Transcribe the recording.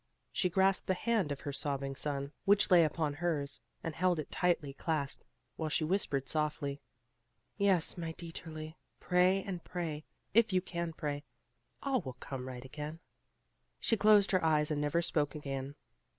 She grasped the hand of her sobbing son, which lay upon hers, and held it tightly clasped; while she whispered softly: "Yes, my Dieterli, pray, pray; if you can pray, all will come right again." She closed her eyes and never spoke again.